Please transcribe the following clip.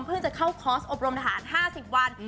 เพิ่งเข้าคอร์สอบรมนาฮาร์๕๐วัน